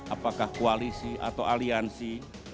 apakah koalisi atau aliansi